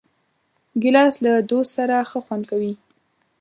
ګیلاس له دوست سره ښه خوند کوي.